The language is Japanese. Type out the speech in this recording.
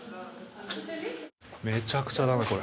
めちゃくちゃだな、これ。